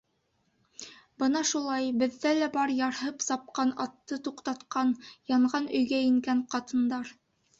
Бына шулай, беҙҙә лә бар ярһып сапҡан атты туҡтатҡан, янған өйгә ингән ҡатындар!